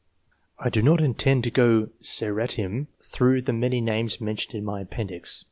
I do not intend to go seriatim through the many names mentioned in my appendix.